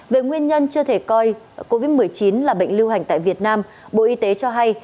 về nguyên nhân chưa thể coi covid một mươi chín là bệnh lưu hành tại việt nam bộ y tế cho hay